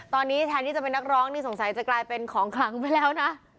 ตอนนี้แทนที่จะเป็นนักร้องนี่สงสัยจะกลายเป็นของขลังไปแล้วนะ